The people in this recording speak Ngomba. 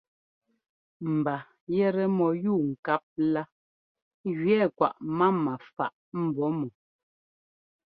Mba yɛtɛ mɔyúubŋkáp lá gẅɛɛ kwaꞌ mama faꞌ mbɔ̌ mɔ.